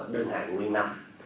đơn hàng nguyên năm